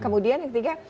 kemudian yang ketiga